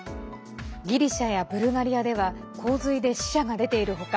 ギリシャやブルガリアでは洪水で死者が出ている他